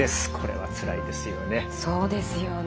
そうですよね。